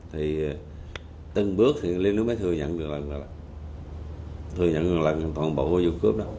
thì từng bước thì liêm mới thừa nhận được lần lạc thừa nhận được lần toàn bộ vụ cướp đó